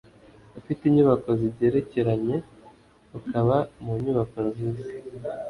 Ufite inyubako zigerekeranye ukaba mu nyubako nziza